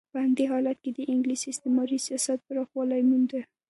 په همدې حالت کې د انګلیس استعماري سیاست پراخوالی مونده.